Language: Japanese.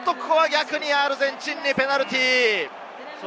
逆にアルゼンチンにペナルティー。